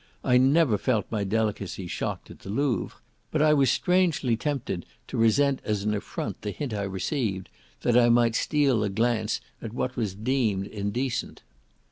I never felt my delicacy shocked at the Louvre, but I was strangely tempted to resent as an affront the hint I received, that I might steal a glance at what was deemed indecent.